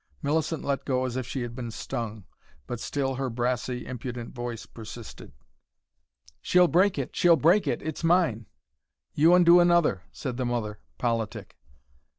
Millicent let go as if she had been stung, but still her brassy, impudent voice persisted: "She'll break it. She'll break it. It's mine " "You undo another," said the mother, politic.